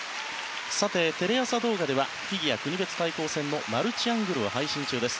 さて、テレ朝動画ではフィギュア国別対抗戦のマルチアングルを配信中です。